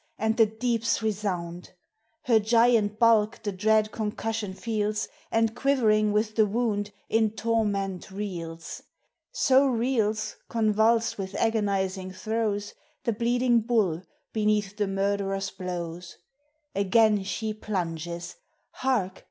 and the deeps re sound ! Her giant bulk the dread concussion feels, And quivering with the wound in torment reels. So reels, convulsed with agonizing throes. The bleeding bull beneath the murderer's blows. Again she plunges! hark!